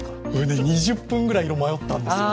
２０分ぐらい、色を迷ったんですよ